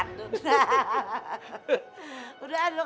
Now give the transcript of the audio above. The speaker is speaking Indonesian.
amat berdiri di si gardung